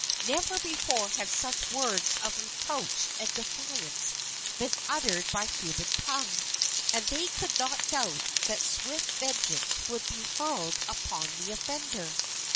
Never before had such words of reproach and defiance been uttered by human tongue, and they could not doubt that swift vengeance would be hurled upon the offender.